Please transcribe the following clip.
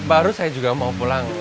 baru saya juga mau pulang